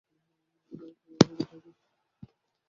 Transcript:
এর আওতা বাড়াতে হবে।